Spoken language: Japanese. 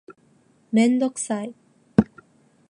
メンドクサイ